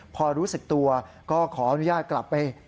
พอรู้สึกตัวก็ขออนุญาตกลับไป